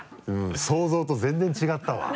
想像と全然違ったわ。